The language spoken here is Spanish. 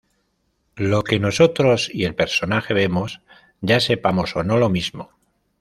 Lo que nosotros y el personaje vemos, ya sepamos o no lo mismo.